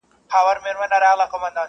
o دلته ما په خپلو سترګو دي لیدلي ,